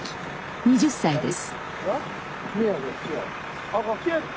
２０歳です。